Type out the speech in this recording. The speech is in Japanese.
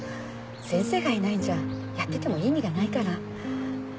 先生がいないんじゃやってても意味がないから。